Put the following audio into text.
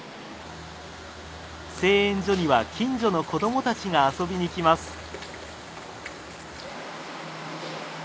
製塩所には近所の子どもたちが遊びに来ます。